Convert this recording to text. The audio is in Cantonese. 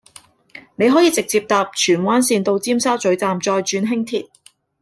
你可以直接搭荃灣綫到尖沙咀站再轉輕鐵